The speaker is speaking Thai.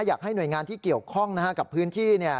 อยากให้หน่วยงานที่เกี่ยวข้องนะฮะกับพื้นที่เนี่ย